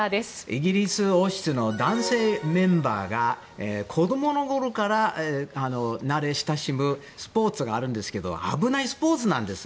イギリス王室の男性メンバーが子供のころから慣れ親しむスポーツがあるんですけど危ないスポーツなんです。